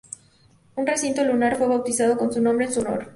Un recinto lunar fue bautizado con su nombre en su honor.